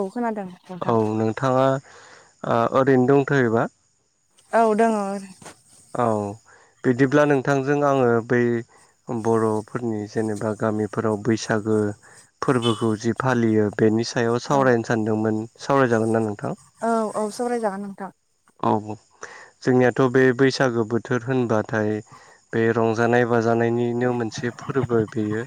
औ खोनादों औ नोंथांङा ओरैनो दंथ'योबा औ दंङो आरो औ बिदिब्ला नोंथांजों आंङो बै बर'फोरनि जेनेबा गामिफोराव बैसागो फोरबोखौ जि फालियो बेनि सायाव औ सावरायनो सानदोंमोन सावरायजागोन नोंथां औ औ सावरायजागोन नोंथां औ जोंनियाथ' बे बैसागो बोथोर होनबाथाय बे रंजानाय बाजानायनि मोनसे फोरबो बेयो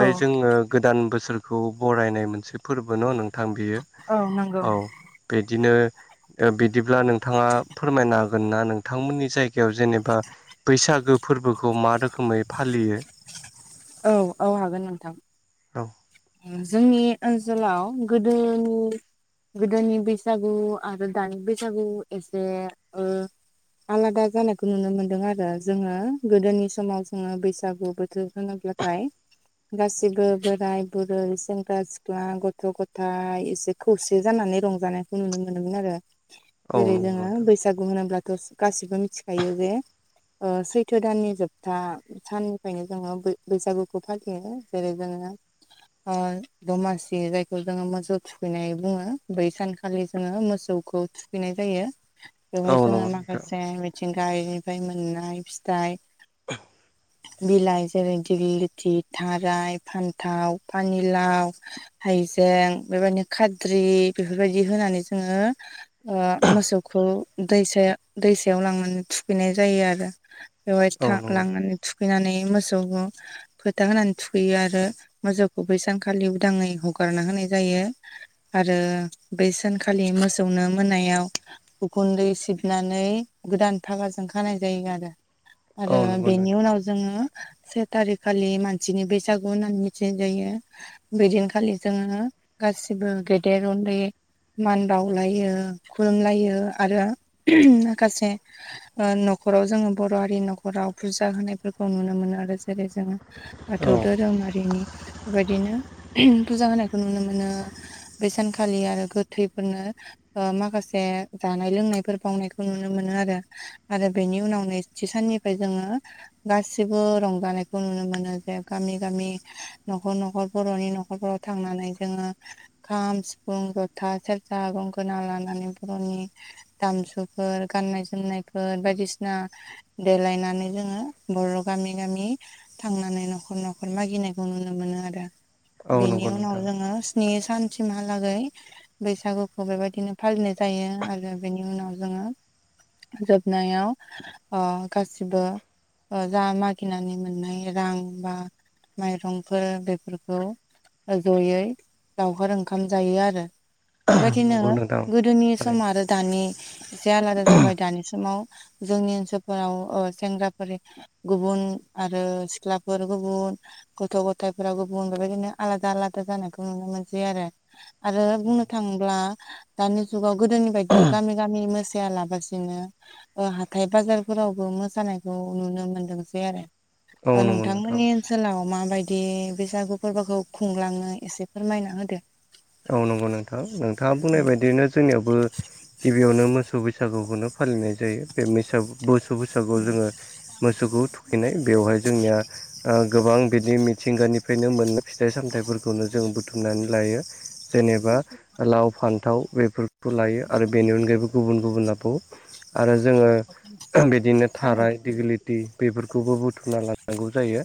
औ जोंङो गोदान बोसोरखौ बरायनाय मोनसे फोरबो न' नोंथां बेयो औ नंगौ औ बिदिनो बिदिब्ला नोंथांङा फोरमायनो हागोन ना नोंथांमोननि जायगा जायगायाव जेनेबा बैसागो फोरबोखौ मा रोखोमै फालियो औ औ हागोन नोंथां औ जोंनि ओनसोलाव गोदोनि गोदोनि बैसागु आरो दानि बैसागु एसे आलादा जानायखौ नुनो मोनदों आरो जोंङो गोदोनि समाव जोंङो बैसागु बोथोर होनोब्लाथाय गासिबो बोराय बुरै सेंग्रा सिख्ला गथ' गथाय एसे खौसे जानानै रंजानायखौ नुनो मोनोमोन आरो औ जेरै नंगौ जोंङो बैस नोंथां बैसागु होनोब्लाथ' गासिबो मिथिखायो जे सैथो दाननि जोबथा साननिफ्रायनो जोंङो बैसागुखौ फालियो जेरै जोंङो दमासि जायखौ जोंङो मोसौ थुखैनाय बुंङो बै सानखालि जोंङो मोसौखौ थुखैनाय जायो औ बेवहाय जोंङो नंगौ नोंथां माखासे मिथिंगनिफ्राय मोननाय फिथाइ बिलाइ जेरै गिलिथि थाराय फान्थाव पानिलाव हायजें बेबायदिनो खाद्रि बेफोरबायदि होनानै जोंङो मोसौखौ दैसायाव दैसायाव लांनानै थुखैनाय जायो आरो बेवहाय औ थ नंगौ लांनानै थुखैनानै मोसौखौ खोथा होनानै थुखैयो आरो मोसौखौ बै सानखालि उदांङै हगारना होनाय जायो। आरो बै सानखालि मोसौनो मोनायाव गखुन्दै सिबनानै गोदान फागाजों खानाय जायो आरो औ आरो नंगौ बेनि नोंथां उनाव जोंङो से थारिखखालि मानसिनि बैसागु होननानै मिथिनाय जायो। बेदिनखालि जोंङो गासिबो गेदेर उन्दै मान बावलायो खुलुमलायो आरो माखासे न'खराव जोंङो बर' हारिनि न'खराव फुजा होनायफोरखौ नुनो मोनो आरो जेरै जोंङो औ बाथौ धोरोमारिनि बेबायदिनो फुजा होनायखौ नुनो मोनो बे सानखालि आरो गोथैफोरनो माखासे जानाय लोंनायफोर बावनायखौ नुनो मोनो आरो आरो बेनि उनाव नैथि साननिफ्राय जोंङो गासै गेबो रंजानायखौ नुनो मोनो जे गामि गामि न'खर न'खर बर'नि न'खर थांनानै जोंङो खाम सिफुं जथा सेरजा गंगोना लानानै बर'नि दामजुफोर गान्नाय जोमनायफोर बायदिसिना देलायनानै जोंङो बर' गामि गामि थांनानै न'खर न'खर मागिनायखौ नुनो मोनो आरो औ नंगौ बिनि उनाव नोंथां जोङो स्नि सानसिमहालागै बैसागुखौ बेबायदिनो फालिनाय जायो आरो बेनि उनाव जोङो जोबनायाव ओ गासिबो ओ जा मागिनानै मोननाय रां बा माइरंफोर बेफोरखौ ज'यै लावखार ओंखाम जायो आरो बेबायदिनो नंगौ नोंथां गोदोनि सम थारैनो आरो दानि एसे आलादा जाबाय दानि समाव जोंनि ओनसोलफोराव ओ सेंग्राफोर गुबुन आरो सिख्लाफोर गुबुन गथ' गथायफोराव गुबुन बेबायदिनो आलादा आलादा जानायखौ नुनो मोनसै आरो आरो बुंनो थाङोब्ला दानि जुगाव गोदोनि बायदि गामि गामि मोसायालाबासिनो ओ हाथाय बाजारफोरावबो मोसानायखौ नुनो मोनो सै आरो औ ओ नंगौ नोंथां नोंथांमोननि सोलाव माबायदि बैसागु फोरबोखौ खुंलाङो एसे फोरमायना होदो औ नंगौ नोंथां नोंथाङा बुंनाय बायदियैनो जोंनियावबो गिबियावनो मोसौ बैसागुखौनो फालिनाय जायो बे बैसागु मोसौ बैसागुआव जोङो मोसौखौ थुखैनाय बेवहाय जोंनिया ओ गोबां बिदि मिथिंगानिफ्रायनो मोननाय फिथाइ-सामथाइफोरखौनो जों बुथुमनानै लायो जेनेबा लाव फान्थाव बेफोरखौ लायो आरो बेनि अनगायैबो गुबुन गुबुन आबाव आरो जोङो बिदिनो थाराय दिगलिटि बेफोरखौबो बुथुमना लानांगौ जायो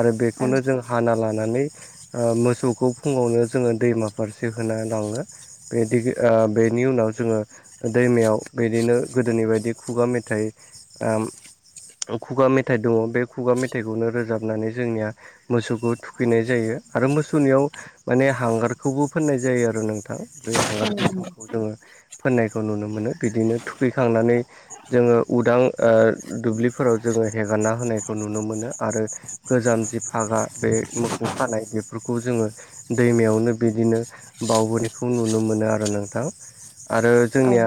आरो बेखौनो जों हाना लानानै ओ मोसौखौ फुङावनो जोङो दैमा फारसे होना लाङो बे दिग ओ बेनि उनाव जोङो दैमायाव बिदिनो गोदोनि बायदि खुगा मेथाइ ओम खुगा मेथाइ दङ' बे खुगा मेथाइखौनो रोजाबनानै जोंनिया मोसौखौ थुखैनाय जायो आरो मोसौनियाव माने हांगारखौबो फोननाय जायो आरो नों थां बे हांगार औ गोसोमखौ जोङो फोननायखौ नुनो मोनो बिदिनो थुखैखांनानै जोङो उदां ओ दुब्लिफोराव जोङो हेगारना होनायखौ नुनो मोनो आरो गोजाम जि फागा बे मोखौ खानाय बेफोरखौ जोङो दैमायावनो बिदिनो बावबोनायखौ नुनो मोनो आरो नोंथां आरो औ जोंनिया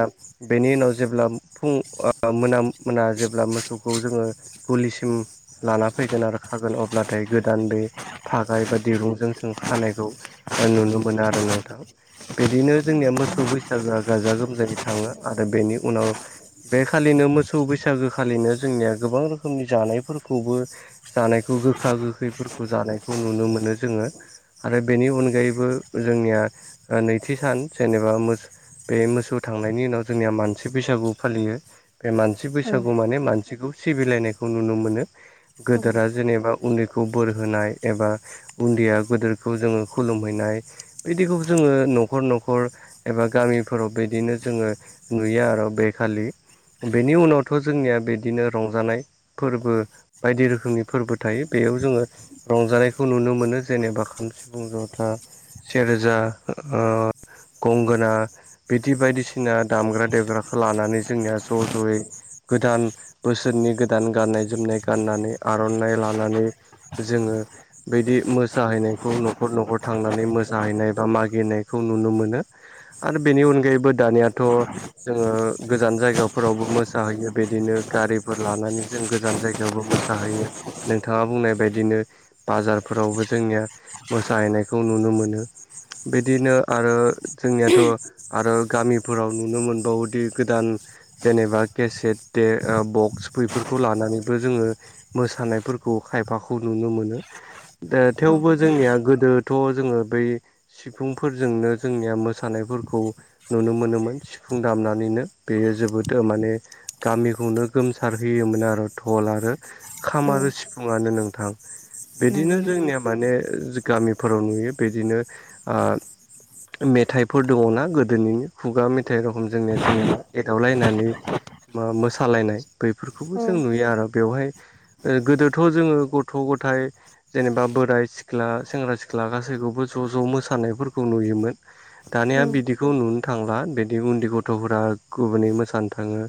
बेनि उनाव जेब्ला फुं ओ मोना मोना जेब्ला मोसौखौ जोङो गुलिसिम लाना फैगोन आरो खागोन अब्लाथाय गोदान बे फागा एबा दिरुंजों जों खानायखौ नुनो मोना आरो नोंथां बिदिनो जोंनिया मोसौ बैसागोआ गाजा गोमजायै थाङो आरो बेनि उनाव बेखालिनो मोसौ बैसागो खालिनो जोंनिया गोबां रोखोमनि जानायफोरखौबो जानायखौ गोखा गोखैफोरखौ जानायखौ नुनो मोनो जोङो आरो बेनि अनगायै अनगायैबो जोंनिया नैथि सान जेनेबा मोस बे मोसौ थांनायनि उनाव जोंनिया मानसि बैसागु फालियो बे मानसि औ बैसागु माने मानसिखौ सिबिलायनायखौ नुनो मोनो औ गदोरा जेनेबा उन्दैखौ बोर होनाय एबा उन्दैया गोदोरखौ जोङो खुलुमहैनाय बिदिखौ जोङो न'खर न'खर एबा गामिफोराव बिदिनो जोङो नुयो आरो बेखालि बेनि उनावथ' जोंनिया बिदिनो रंजानाय फोरबो बायदि रोखोमनि फोरबो थायो बेयाव जोङो रंजानायखौ नुनो मोनो जेनेबा खाम, सिफुं, जथा सेरजा ओ गंगोना बिदि बायदिसिना दामग्रा-देग्राखौ लानानै जोंनिया ज' ज'यै गोदान बोसोरनि गोदान गाननाय-जोमनाय गाननानै आर'नाइ लानानै जोङो बिदि मोसाहैनायखौ नख न'खर न'खर थांनानै मोसाहैनाय बा मागिनायखौ नुनो मोनो आरो बेनि अनगायैबो दानियाथ' जोङो गोजान जायगाफोरावबो मोसाहैयो बिदिनो गारिफोर लानानै जों गोजान जायगा बेवबो मोसाहैयो नोंथाङा बुंनाय बायदिनो बाजारफोरावबो जोंनिया मोसाहैनायखौ नुनो मोनो बिदिनो आरो जोंनियाथ' आरो गामिफोराव नुनो मोनबावोदि गोदान जेनेबा केसेट बक्स बैफोरखौ लानानैबो जोङो मोसानायफोरखौ खायफाखौ नुनो मोनो दा औ थेवबो जोंनिया गोदोथ' जोङो बै सिफुंफोरजोंनो जोंनिया मोसानायफोरखौ नुनो मोनोमोन सिफुं दामनानैनो बेयो जोबोद माने गामिखौनो गोमसार होयोमोन आरो घल आरो खाम आरो सिफुङानो नोंथां नंगौ बिदिनो नंगौ जोंनिया माने गामिफोराव नुयो बिदिनो मेथाइफोर दङना गोदोनिनो खुगा मेथाइ रोखम जोंनिया जेनेबा एदावलायनानै मा मोसालायनाय औ बैफोरखौबो जों नुयो आरो बेवहाय गोदोथ' जोङो गथ' गथाय जेनेबा बोराय सिख्ला सेंग्रा सिख्ला गासैखौबो ज' ज' मोसानायफोरखौ नुयोमोन दानिया बिदिखौ नुनो थांला बिदि उन्दै गथ'फोरा गुबुनै मोसानो थाङो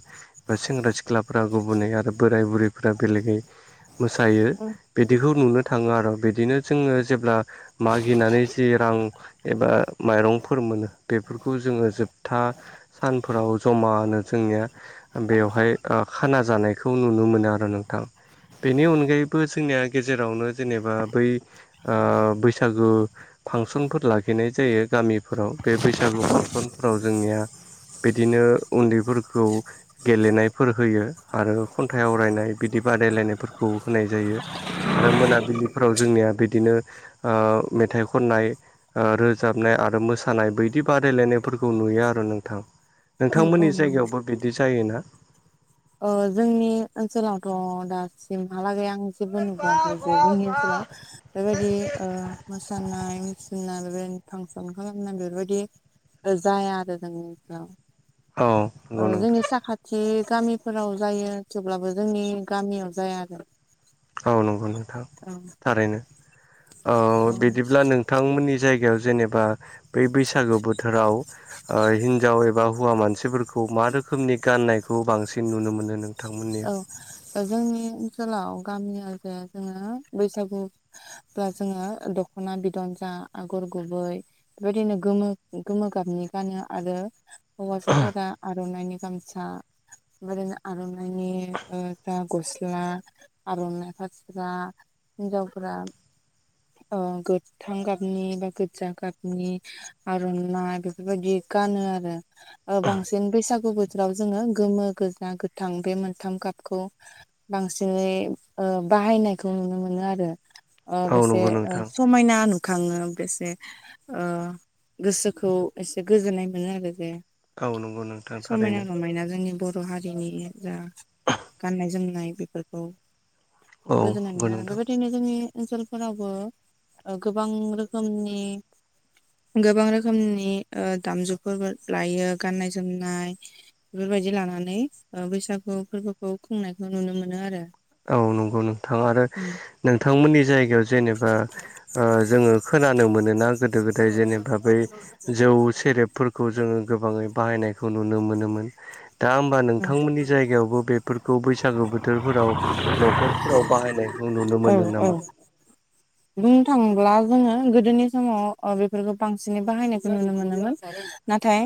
बा सेंग्रा सिख्लाफ्रा गुबुनै आरो बोराय बुरैफोरा बेलेगै मोसायो बिदिखौ नुनो थाङो आरो बिदिनो जोङो जेब्ला मागिनानै जि रां एबा माइरंफोर मोनो बेफोरखौ जोङो जोबथा सानफोराव जमानो जोंनिया बेवहाय खाना जानायखौ नुनो मोनो आरो नोंथां बेनि अनगायैबो जोंनिया गेजेरावनो जेनेबा बै बैसागु फांसनफोर लाखिनाय जायो गामिफोराव बे बैसागु फांसनफोराव जोंनिया बिदिनो उन्दैफोरखौ गेलेनायफोर होयो आरो खन्थाइ आवरायनाय बिदि बादायलायनायफोरखौ होनाय जायो आरो मोनाबिलिफोराव जोंनिया बिदिनो मेथाइ खननाय रोजाबनाय आरो मोसानाय बायदि बादायलायनायफोरखौ नुयो आरो नोंथां नोंथांमोननि नंगौ जायगायावबो बिदि जायोना जोंनि ओनसोलावथ' दासिमहालागै‌ आं जेबो नुबोवाखै जे जोंनि ओनसोलाव बेबायदि मोसानाय मुसुरनाय बेबायनो फांसन खालामनानै बेफोरबायदि जाया आरो जोंनि ओ औ नंगौ जोंनि नोंथां साखाथि गामिफोराव जायो थेवब्लाबो जोंनि गामियाव जाया आरो गाव नंगौ नोंथां औ थारैनो बिदिब्ला नोंथांमोननि जायगायाव जेनेबा बै बैसागो बोथोराव हिनजाव एबा हौवा मानसिफोरखौ मा रोखोमनि गाननायखौ बांसिन नुनो मोनो नों औ जोंनि ओनसोलाव गामिय जाया जोङो बैसागु बा जोङो दख'ना बिदन जा आगर गुबै बेबायदिनो गोमो गोमो गाबनि गानो आरो हौवासाफोरा आर'नाइनि गामसा बेनो आर'नाइ ननि जा गस्ला आर'नाइ फास्रा हिन्जावफ्रा गोथां गाबनि बा गोजा गाबनि आर'नाइ बेफोरबायदि गानो आरो बांसिन बैसागु बोथोराव जोङो गोमो गोजा गोथां बे मोनथाम गाबखौ बांसिनै बाहायनायखौ नुनो मोनो आरो ओ औ बेसे नंगौ ओ नोंथां समायना नुखाङो बेसे गोसोखौ एसे गोजोननाय मोनो आरो जे औ नंगौ नोंथां समायना थारैनो रमायना जोंनि बर' बर' हारिनि जा गाननाय जोमनाय बेफोरखौ औ गोजोननाय नंगौ मोनो आरो नोंथां बेबायदिनो जोंनि ओनसोल फोरावबो गोबां रोखोमनि गोबां रोखोमनि दामजुफोरबो लायो गाननाय जोमनाय बेफोरबायदि लानानै बैसागु फोरबोखौ खुंनायखौ नुनो मोनो आरो औ नंगौ नोंथां आरो उम नोंथांमोननि जायगायाव जेनेबा ओ जोङो खोनानो मोनोना गोदो गोदाय जेनेबा बै जौ सेरेब फोरखौ जोङो गोबाङै बाहायनायखौ नुनो मोनोमोन दा होमबा नोंथांमोननि जायगायावबो बेफोरखौ बैसागो बोथोरफोराव न'खरफोराव बाहायनायखौ नुनो औ मोनो नामा औ बुंनो थाङोब्ला जोङो गोदोनि समाव बेफोरखौ बांसिनै बाहायनायखौ नुनो मोनोमोन नाथाय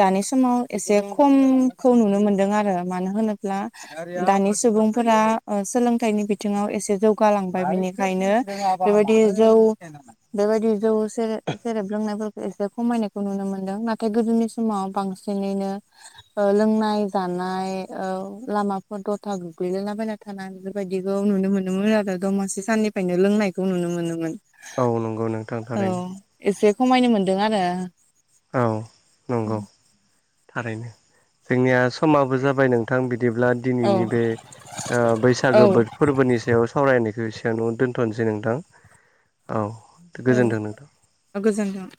दानि समाव एसे खमखौ नुनो मोनदों आरो मानो होनोब्ला दानि सुबुंफोरा सोलोंथाइनि बिथिङाव एसे जौगालांबाय बिनिखायनो बेबायदि जौ बेबायदि जौसां जेरेब लोंनायफोरखौ एसे खमायनायखौ नुनो मोन्दों नाथाय गोदोनि समाव बांसिनैनो लोंनाय जानाय लामाफोर दथा गोग्लैलायलाबायला थ बेबायायदिखौ नुनो मोनोमोन आरो दमासि साननिफ्रायनो लोंनायखौ नुनो मोनोमोन औ नंगौ औ नोंथांथारैनो एसे खमायनो मोन्दों आरो औ नंगौ थारैनो जोंनिया समाबो जाबाय जाबाय नोंथां बिदिब्ला दिनैनि बे औ बैसागो बो फोरबोनि सायाव सावरायनायखौ एसेबां न दोन्थ'नोसै नोंथां औ गोजोनथों नोंथां गोजोन्थों